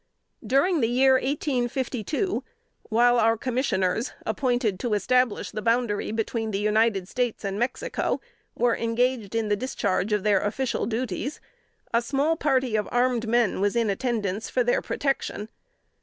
During the year 1852, while our commissioners, appointed to establish the boundary between the United States and Mexico, were engaged in the discharge of their official duties, a small party of armed men was in attendance for their protection.